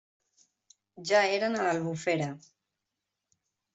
Ja eren a l'Albufera.